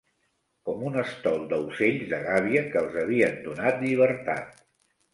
Com un estol d'aucells de gàbia que els havien donat llibertat